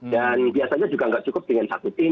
dan biasanya juga tidak cukup dengan satu tim